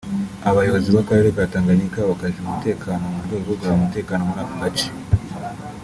Abayobozi b’akarere ka Tanganyika bakajije umutekano mu rwego rwo kugarura umutekano muri ako gace